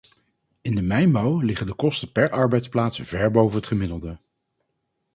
In de mijnbouw liggen de kosten per arbeidsplaats ver boven het gemiddelde.